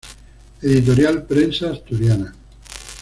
Editorial Prensa Asturiana.